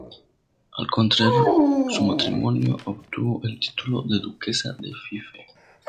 Al contraer su matrimonio, obtuvo el título de duquesa de Fife.